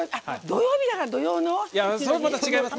土曜日だから土用の？